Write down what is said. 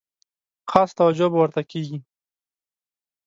خاصه توجه به ورته کیږي.